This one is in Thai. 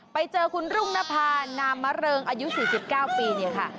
ไปเจอคุณรุ่งนภานามมะเริงอายุ๔๙ปีเนี่ยค่ะ